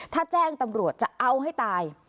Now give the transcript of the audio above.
ถ้าแจ้งตำรวจจะเอาให้ตาย